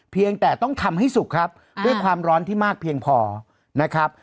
เพียงแต่ต้องทำให้สุกครับด้วยความร้อนที่มากเพียงพอนะครับ